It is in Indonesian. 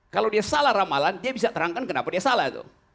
kalau dia salah ramalan dia bisa terangkan kenapa dia salah tuh